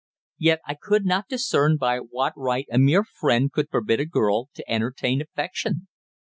Yet I could not discern by what right a mere friend could forbid a girl to entertain affection.